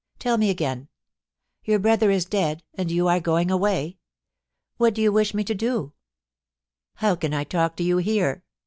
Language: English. Tell me again. Your brother is dead, and you are going away. "What do you wish me to do ?How can I talk to you here